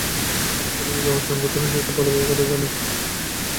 মেয়ের সাথে কিভাবে আচরণ করতে হয় সে খুব ভালো করেই জানে।